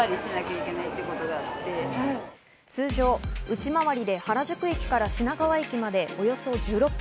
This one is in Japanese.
通常内回りで原宿駅から品川駅までおよそ１６分。